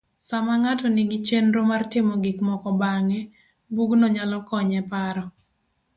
Sama ng'ato nigi chenro mar timo gikmoko bang`e,bugno nyalo konye paro.